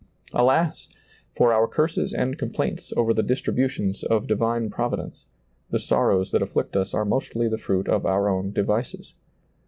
Alas I for our curses and complaints over the distributions of divine Providence ; the sorrows that afflict us are mostly the fruit of our own devices.